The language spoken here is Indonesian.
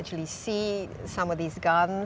dan anda bisa melihat beberapa hutan ini